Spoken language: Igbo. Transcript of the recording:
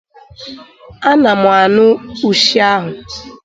Ana mụ anụ ushi ahụ